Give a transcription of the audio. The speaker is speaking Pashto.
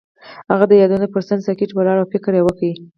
هغه د یادونه پر څنډه ساکت ولاړ او فکر وکړ.